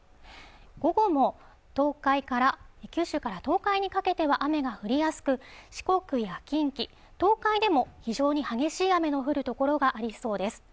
午後も東海から九州から東海にかけては雨が降りやすく四国や近畿、東海でも非常に激しい雨の降る所がありそうです